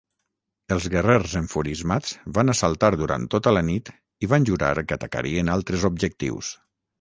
Els guerrers enfurismats van assaltar durant tota la nit i van jurar que atacarien altres objectius.